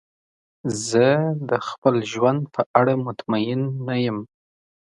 زه د خپل ژوند په اړه مطمئن نه یم.